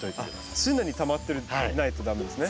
常にたまってないと駄目ですね。